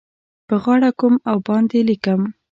په غاړه کوم او باندې لیکم